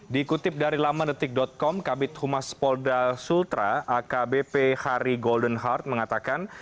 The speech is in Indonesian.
dikutip dari lamandetik com kabit humas polda sultra akbp hari golden heart mengatakan